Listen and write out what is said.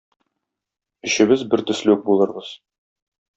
Өчебез бертөсле үк булырбыз.